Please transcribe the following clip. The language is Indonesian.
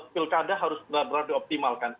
pilkada harus benar benar dioptimalkan